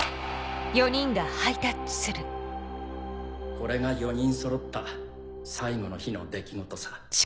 これが４人そろった最後の日の出来事さ。